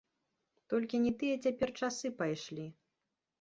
Толькі не тыя цяпер часы пайшлі.